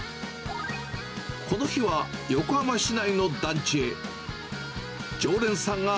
この日は、横浜市内の団地へ。